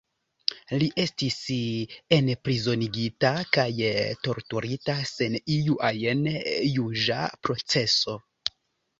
Li estis enprizonigita kaj torturita, sen iu ajn juĝa proceso.